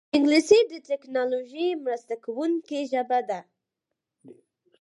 انګلیسي د ټیکنالوژۍ مرسته کوونکې ژبه ده